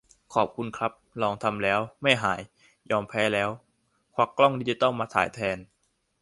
ขอบคุณครับ ลองทำแล้ว ไม่หาย : ยอมแพ้แล้ว ควักกล้องดิจิทัลมาถ่ายแทน